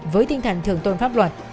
với tinh thần thường tôn pháp luật